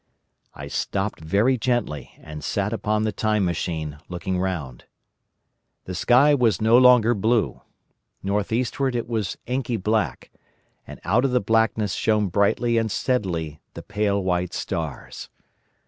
"I stopped very gently and sat upon the Time Machine, looking round. The sky was no longer blue. North eastward it was inky black, and out of the blackness shone brightly and steadily the pale white stars.